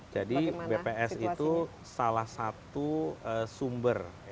jadi bps itu salah satu sumber